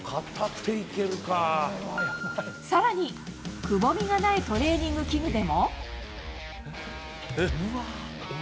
さらに、くぼみがないトレーニング器具でも。